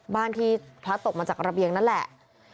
บ้านที่พลัดตกมาจากระเบียงนั่นแหละ